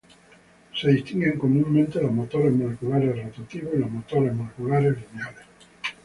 Se distinguen comúnmente los motores moleculares rotativos y los motores moleculares lineales.